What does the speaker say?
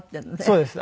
そうです。